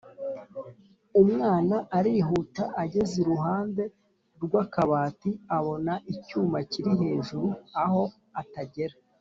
Umwana arihuta ageze iruhande rw’akabati abona icyuma kiri hejuru aho atagera